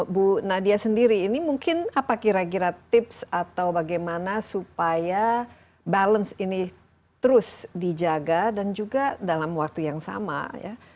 bu nadia sendiri ini mungkin apa kira kira tips atau bagaimana supaya balance ini terus dijaga dan juga dalam waktu yang sama ya